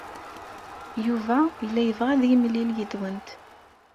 Yuba yella yebɣa ad yemlil yid-went.